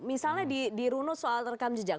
misalnya dirunut soal rekam jejak